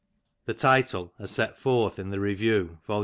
The title, as set forth in the Beriew, vol.